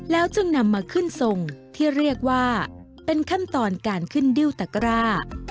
แล้วจึงนำมาขึ้นทรงที่เรียกว่าเป็นขั้นตอนการขึ้นดิ้วตะกร้า